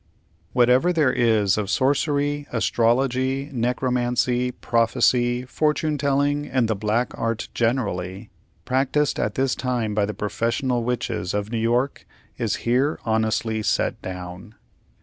Whatever there is of Sorcery, Astrology, Necromancy, Prophecy, Fortune telling, and the Black Art generally, practised at this time by the professional Witches of New York, is here honestly set down.